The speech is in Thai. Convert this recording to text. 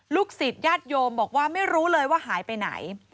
ศิษย์ญาติโยมบอกว่าไม่รู้เลยว่าหายไปไหน